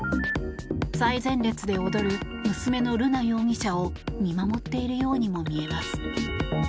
最前列で踊る娘の瑠奈容疑者を見守っているようにも見えます。